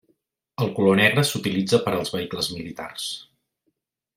El color negre s'utilitza per als vehicles militars.